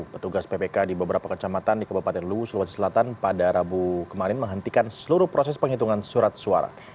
petugas ppk di beberapa kecamatan di kabupaten luwu sulawesi selatan pada rabu kemarin menghentikan seluruh proses penghitungan surat suara